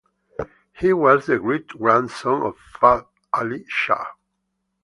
He was the great grandson of Fath Ali Shah.